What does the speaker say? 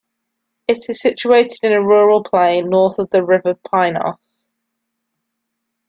It is situated in a rural plain, north of the river Pineios.